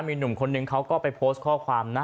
มีหนุ่มคนนึงเขาก็ไปโพสต์ข้อความนะ